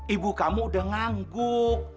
ibu kamu udah ngangguk